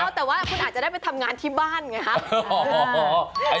เอาแต่ว่าคุณอาจจะได้ไปทำงานที่บ้านไงครับ